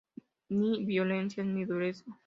Ni violencias ni dureza.